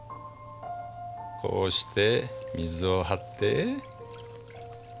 こうして水を張って。